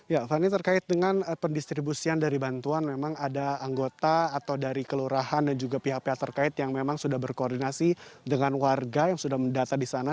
ya fani terkait dengan pendistribusian dari bantuan memang ada anggota atau dari kelurahan dan juga pihak pihak terkait yang memang sudah berkoordinasi dengan warga yang sudah mendata di sana